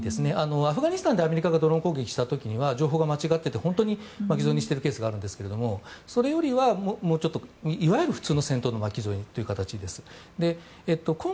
アフガニスタンでアメリカがドローン攻撃した時には情報が間違って本当に巻き添えにしているケースがありますがそれよりも、いわゆる普通の戦闘の巻き添えという感じです。